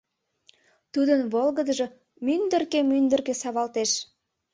Тудын волгыдыжо мӱндыркӧ-мӱндыркӧ савалтеш.